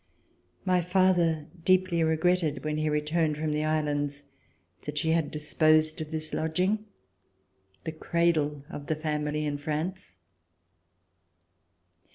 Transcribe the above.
My father deeply regretted, when he returned from the Islands, that she had disposed of this lodging — the cradle of the family in France.